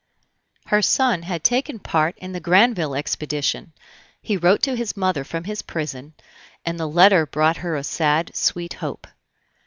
Her son had taken part in the Granville expedition; he wrote to his mother from his prison, and the letter brought her a sad, sweet hope.